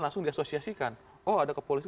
langsung diasosiasikan oh ada kepolisian